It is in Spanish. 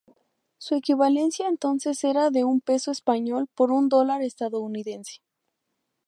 Su equivalencia entonces era de un peso español por un dólar estadounidense.